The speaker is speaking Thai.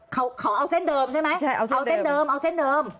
เขาเขาเอาเส้นเดิมใช่ไหมเอาเส้นเดิมเอาเส้นเดิม